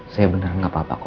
saya beneran gak apa apa kok bu